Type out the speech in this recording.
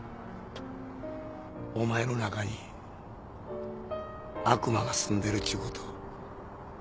お前の中に悪魔が住んでるちゅうこと。